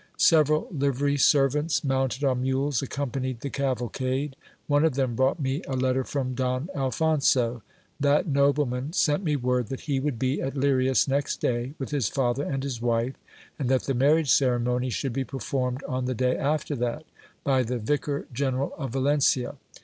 Several livery servants, mounted on mules, accompanied the cavalcade. One of them brought me a letter from Don Alphonso. That nobleman sent me word that he would be at Lirias next day with his father and his wife, and that the marriage ceremony should be performed on the day after that, by the vicar general of Valencia.